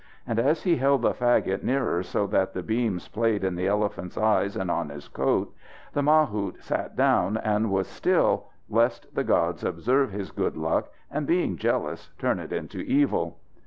And as he held the fagot nearer so that the beams played in the elephant's eyes and on his coat, the mahout sat down and was still, lest the gods observe his good luck, and, being jealous, turn it into evil.